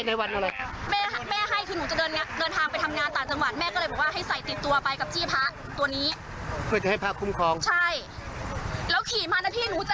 แล้วเก็ตเลี่ยมทองเป็นหลวงปู่ขาวอาณารยโยวัดถ้ำกองเพลจังหวัด